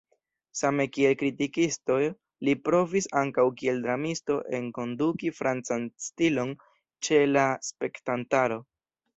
Same kiel kritikisto li provis ankaŭ kiel dramisto enkonduki francan stilon ĉe la spektantaro.